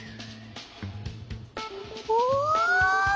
お！